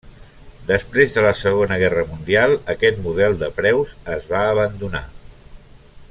Després de la Segona Guerra mundial, aquest model de preus es va abandonar.